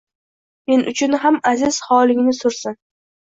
Men uchun ham aziz holingni sursin